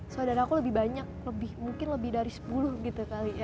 saudara aku lebih banyak lebih mungkin lebih dari sepuluh gitu kali ya